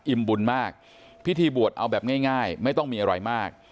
บุญมากพิธีบวชเอาแบบง่ายไม่ต้องมีอะไรมาก